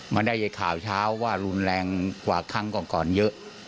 มันได้ข่าวเช้าว่ารุนแรงกว่าครั้งก่อนเยอะ